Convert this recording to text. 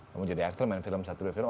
kamu jadi akstil main film satu dua film